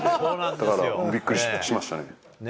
だからびっくりしましたね。